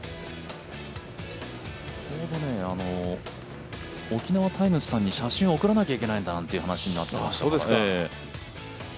ちょうど「沖縄タイムズ」さんに写真を送らなきゃいけないんだという話になっていました。